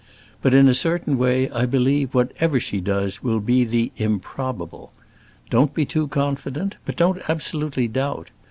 But in a certain way, I believe, whatever she does will be the improbable. Don't be too confident, but don't absolutely doubt.